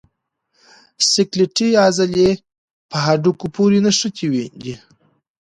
سکلیټي عضلې په هډوکو پورې نښتي دي.